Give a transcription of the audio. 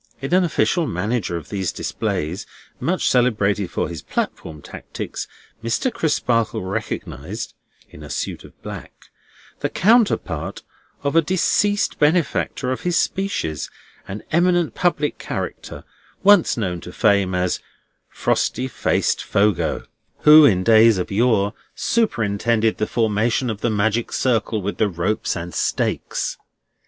In an official manager of these displays much celebrated for his platform tactics, Mr. Crisparkle recognised (in a suit of black) the counterpart of a deceased benefactor of his species, an eminent public character, once known to fame as Frosty faced Fogo, who in days of yore superintended the formation of the magic circle with the ropes and stakes.